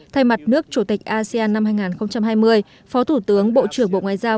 thay mặt nước chủ tịch asean năm hai nghìn hai mươi phó thủ tướng bộ trưởng bộ ngoại giao